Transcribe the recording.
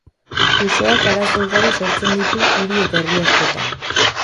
Usoak arazo ugari sortzen ditu hiri eta herri askotan.